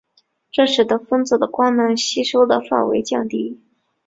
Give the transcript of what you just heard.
这使得分子的光能吸收的范围降低。